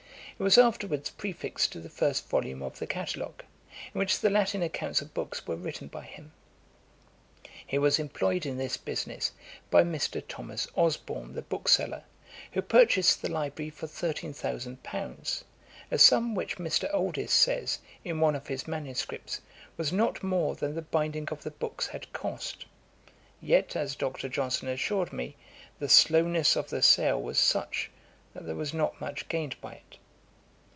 It was afterwards prefixed to the first volume of the Catalogue, in which the Latin accounts of books were written by him. He was employed in this business by Mr. Thomas Osborne the bookseller, who purchased the library for 13,000£., a sum which Mr. Oldys says, in one of his manuscripts, was not more than the binding of the books had cost; yet, as Dr. Johnson assured me, the slowness of the sale was such, that there was not much gained by it.